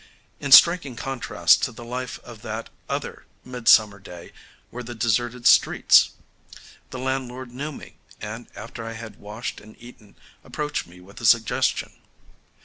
In striking contrast to the life of that other midsummer day were the deserted streets. The landlord knew me, and after I had washed and eaten approached me with a suggestion.